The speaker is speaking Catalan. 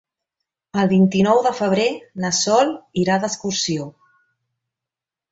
El vint-i-nou de febrer na Sol irà d'excursió.